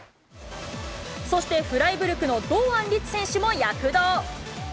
そして、フライブルクの堂安律選手も躍動。